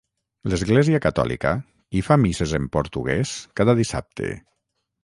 L'església catòlica hi fa misses en portuguès cada dissabte.